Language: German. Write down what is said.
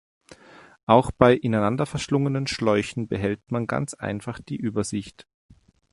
Auch bei ineinander verschlungenen Schläuchen behält man ganz einfach die Übersicht.